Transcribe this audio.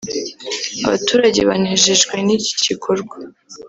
Abaturage banejejwe n’iki gikorwa